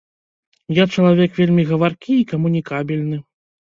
Я чалавек вельмі гаваркі і камунікабельны.